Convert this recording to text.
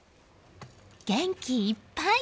元気いっぱい！